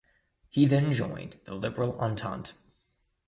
He then joined the Liberal Entente.